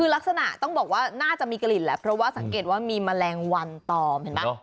คือลักษณะต้องบอกว่าน่าจะมีกลิ่นแหละเพราะว่าสังเกตว่ามีแมลงวันตอมเห็นไหม